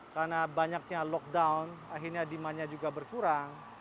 karena banyaknya lockdown akhirnya demandnya juga berkurang